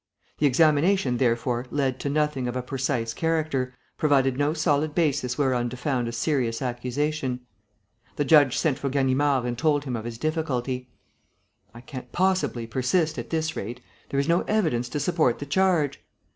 The examination, therefore, led to nothing of a precise character, provided no solid basis whereon to found a serious accusation. The judge sent for Ganimard and told him of his difficulty. "I can't possibly persist, at this rate. There is no evidence to support the charge."